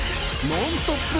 ノンストップ！